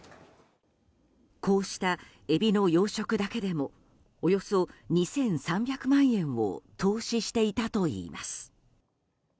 こうしたエビの養殖だけでもおよそ２３００万円を投資していたといいます。